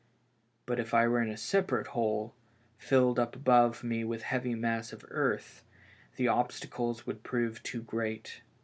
But if I were in a separate hole, filled up above me with a heavy mass of earth, the obstacles would prove too great.